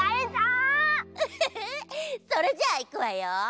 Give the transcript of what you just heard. それじゃあいくわよ。